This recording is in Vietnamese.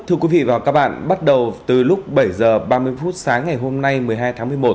thưa quý vị và các bạn bắt đầu từ lúc bảy h ba mươi phút sáng ngày hôm nay một mươi hai tháng một mươi một